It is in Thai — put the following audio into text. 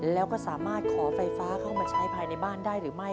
แล้วก็สามารถขอไฟฟ้าเข้ามาใช้ภายในบ้านได้หรือไม่